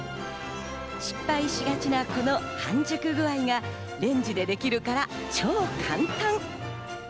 失敗しがちなこの半熟具合がレンジでできるから超簡単。